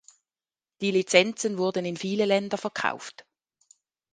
Die Lizenzen wurden in viele Länder verkauft.